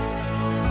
huruf yang terakhir